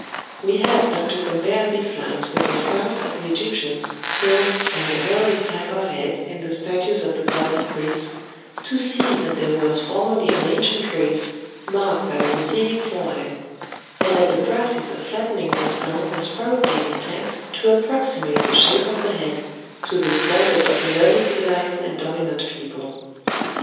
We have but to compare these lines with the skulls of the Egyptians, Kurds, and the heroic type of heads in the statues of the gods of Greece, to see that there was formerly an ancient race marked by a receding forehead; and that the practice of flattening the skull was probably an attempt to approximate the shape of the head to this standard of an early civilized and dominant people.